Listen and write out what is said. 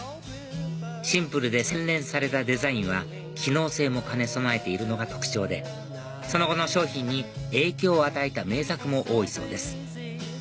シンプルで洗練されたデザインは機能性も兼ね備えているのが特徴でその後の商品に影響を与えた名作も多いそうです